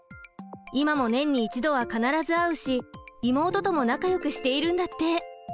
今も年に１度は必ず会うし妹とも仲良くしているんだって。